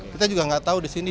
kita juga gak tau di sini